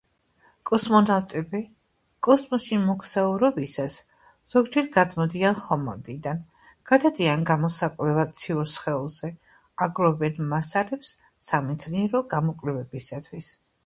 კოსმონავტები კოსმოსში მოგზაურობისას ზოგჯერ გადმოდიან ხომალდიდან, გადადიან გამოსაკვლევად ციურ სხეულზე, აგროვებენ მასალებს სამეცნიერო გამოკვლევებისათვის.